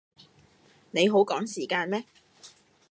你好趕時間咩